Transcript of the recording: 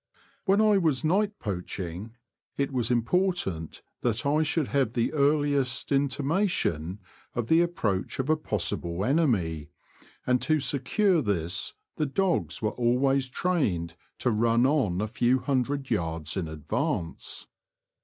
When I was night poaching, it was important that I should have the earliest inti mation of the approach of a possible enemy, and to secure this the dogs were always trained to run on a few hundred yards in advance.